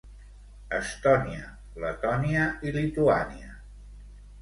Estònia, Letònia i Lituània.